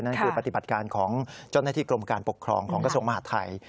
นั่นคือปฏิบัติการของเจ้าหน้าที่กรมการปกครองของกระทรวงมหาดไทย